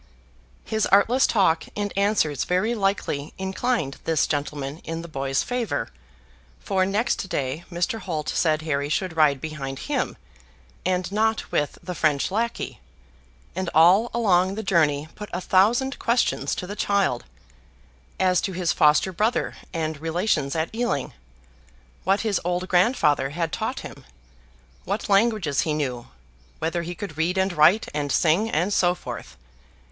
His artless talk and answers very likely inclined this gentleman in the boy's favor, for next day Mr. Holt said Harry should ride behind him, and not with the French lacky; and all along the journey put a thousand questions to the child as to his foster brother and relations at Ealing; what his old grandfather had taught him; what languages he knew; whether he could read and write, and sing, and so forth.